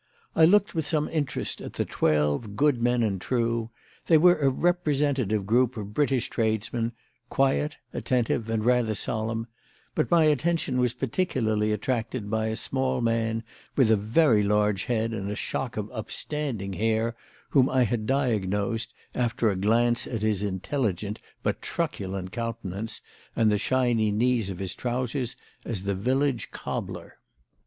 I looked with some interest at the twelve "good men and true." They were a representative group of British tradesmen, quiet, attentive, and rather solemn; but my attention was particularly attracted by a small man with a very large head and a shock of upstanding hair whom I had diagnosed, after a glance at his intelligent but truculent countenance and the shiny knees of his trousers, as the village cobbler.